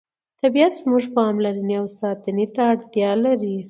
طبیعت زموږ پاملرنې او ساتنې ته اړتیا لري